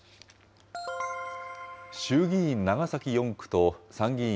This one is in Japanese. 衆議院長崎４区と参議院